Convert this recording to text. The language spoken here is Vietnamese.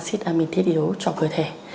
đủ hai mươi hai acid amine thiết yếu cho cơ thể